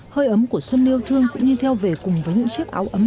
hơi ấm của xuân yêu thương cũng như theo về cùng với những chiếc áo ấm